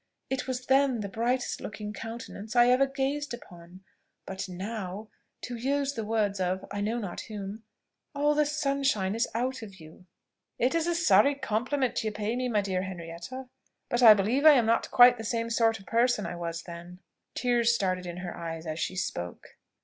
It was then the brightest looking countenance I ever gazed upon: but now to use the words of, I know not whom all the sunshine is out of you." "It is a sorry compliment you pay me, my dear Henrietta; but I believe I am not quite the same sort of person I was then." Tears started in her eyes as she spoke.